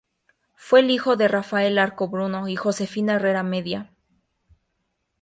Fue hijo de Rafael Larco Bruno y Josefina Herrera Medina.